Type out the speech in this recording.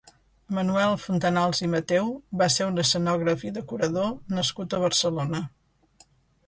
Manuel Fontanals i Mateu va ser un escenògraf i decorador nascut a Barcelona.